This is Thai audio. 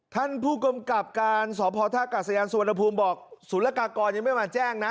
ท่านผู้กำกับการสพท่ากาศยานสุวรรณภูมิบอกศูนย์ละกากรยังไม่มาแจ้งนะ